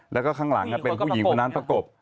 แล้วก็ข้างหลังเป็นผู้หญิงคนนั้นประกบ